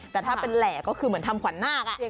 แต่ถ้าเป็นแหล่ก็คือเหมือนทำขวัญนาค